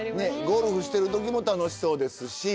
ゴルフしてる時も楽しそうですし。